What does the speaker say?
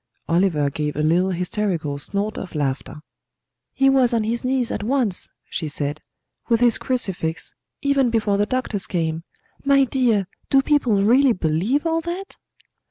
Oliver gave a little hysterical snort of laughter. "He was on his knees at once," she said, "with his crucifix, even before the doctors came. My dear, do people really believe all that?"